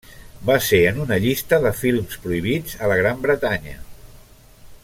Va ser en una llista de films prohibits a la Gran Bretanya.